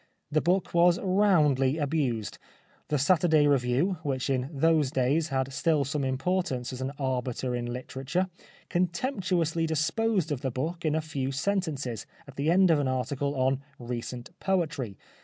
The book was roundly abused. The Saturday Review, which in those days had still some importance as an arbiter in literature, contemptuously disposed of the book in a few sentences at the end of an article on " Recent Poetry."